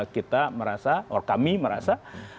kita merasa kami merasa